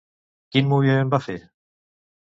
Quin moviment va fer?